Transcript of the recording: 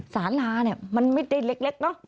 สาราเนี่ยมันไม่ได้เล็กเนอะ